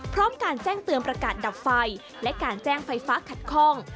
พร้อมการแจ้งเตือนประกาศดับไฟและการแจ้งไฟฟ้าขัดข้อง